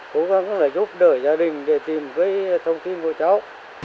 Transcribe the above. cố gắng là giúp đỡ gia đình để tìm cái thông tin của cháu